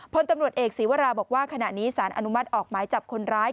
พลตำรวจเอกศีวราบอกว่าขณะนี้สารอนุมัติออกหมายจับคนร้าย